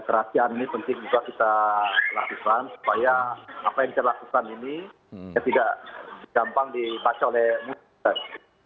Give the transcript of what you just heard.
kerahasiaan ini penting juga kita lakukan supaya apa yang kita lakukan ini tidak gampang dibaca oleh muslim